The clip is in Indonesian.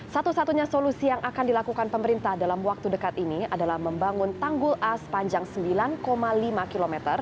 satu satunya solusi yang akan dilakukan pemerintah dalam waktu dekat ini adalah membangun tanggul a sepanjang sembilan lima km